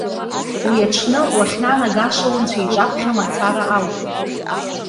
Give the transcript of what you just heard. Уи аҽны, уахьнанагаша унцәа иҿаԥхьа мацара ауп.